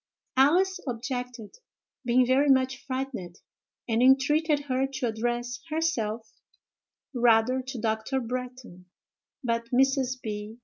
Alice objected, being very much frightened, and entreated her to address herself rather to Dr. Bretton; but Mrs. B.